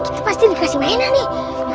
itu pasti dikasih mainan nih